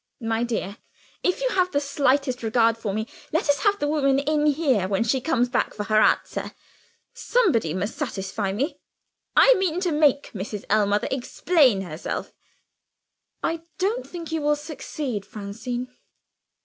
My dear, if you have the slightest regard for me, let us have the woman in here when she comes back for her answer. Somebody must satisfy me. I mean to make Mrs. Ellmother explain herself." "I don't think you will succeed, Francine."